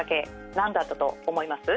何だったと思います？